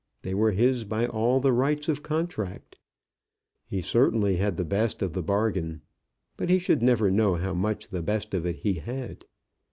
They were his by all the rights of contract. He certainly had the best of the bargain, but he should never know how much the best of it he had.